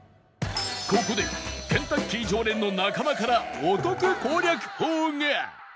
ここでケンタッキー常連の中間からお得攻略法が